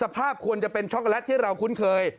พฤหาบควรเป็นช็อกโกแลตที่เราคุ้นเคย